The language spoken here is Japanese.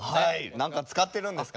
何か使ってるんですか？